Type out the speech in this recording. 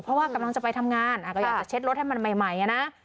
เพราะว่ากำลังจะไปทำงานก็อยากจะเช็ดรถให้มันใหม่นะ